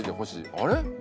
あれ？